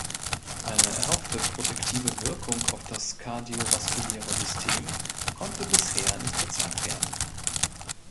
Eine erhoffte protektive Wirkung auf das kardiovaskuläre System konnte bisher nicht gezeigt werden.